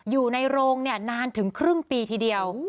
อยู่ในโรงนานถึงครึ่งปีทีเดียว